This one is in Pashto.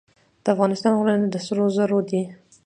د افغانستان غرونه د سرو زرو دي